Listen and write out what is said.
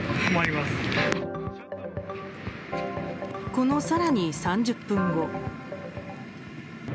この更に３０分後。